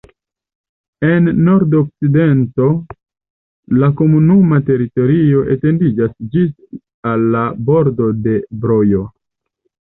En nordokcidento la komunuma teritorio etendiĝas ĝis al la bordo de Brojo.